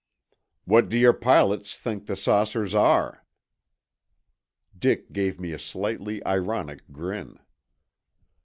"What do your pilots think the saucers are?" Dick gave me a slightly ironic grin.